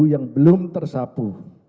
yang belum tersapu